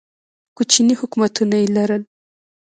کوچني حکومتونه یې لرل.